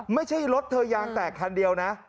ไม่ใช่รถเธอยางแตกคันเดียวนะ